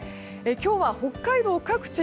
今日は北海道各地